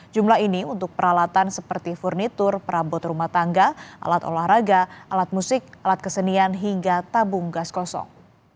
jumlah ini untuk peralatan seperti furnitur perabot rumah tangga alat olahraga alat musik alat kesenian hingga tabung gas kosong